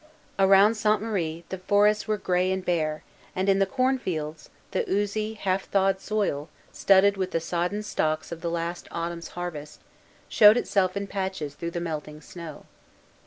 Around Sainte Marie the forests were gray and bare, and, in the cornfields, the oozy, half thawed soil, studded with the sodden stalks of the last autumn's harvest, showed itself in patches through the melting snow.